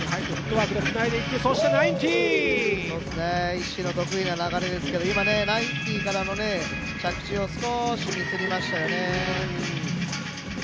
ＩＳＳＩＮの得意な流れですけど今、１９９０からの着地、少しミスりましたよね。